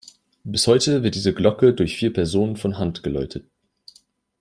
Bis heute wird diese Glocke durch vier Personen von Hand geläutet.